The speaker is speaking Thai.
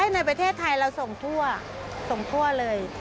ในประเทศไทยเราส่งทั่วส่งทั่วเลย